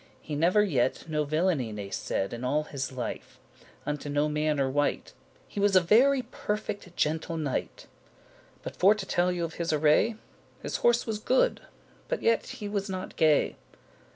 He never yet no villainy ne said In all his life, unto no manner wight. He was a very perfect gentle knight. But for to telle you of his array, His horse was good, but yet he was not gay.